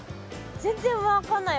全然分かんないわ。